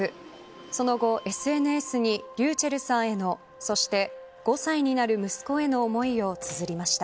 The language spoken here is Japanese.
その後ＳＮＳにｒｙｕｃｈｅｌｌさんへのそして、５歳になる息子への思いをつづりました。